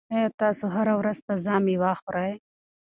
آیا تاسو هره ورځ تازه مېوه خورئ؟